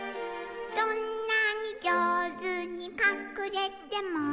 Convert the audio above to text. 「どんなにじょうずにかくれても」